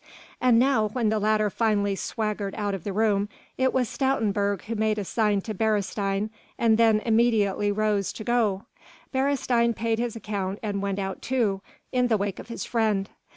And now when the latter finally swaggered out of the room it was Stoutenburg who made a sign to Beresteyn and then immediately rose to go. Beresteyn paid his account and went out too, in the wake of his friend.